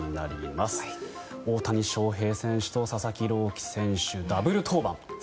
大谷翔平選手と佐々木朗希選手ダブル登板。